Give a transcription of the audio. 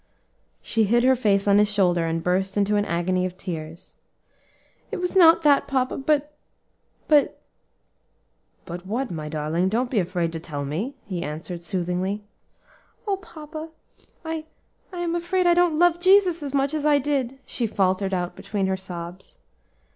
She hid her face on his shoulder and burst into an agony of tears. "It was not that, papa, but but " "But what, my darling? don't be afraid to tell me," he answered, soothingly. "O papa! I I am afraid I don't love Jesus as much as I did," she faltered out between her sobs.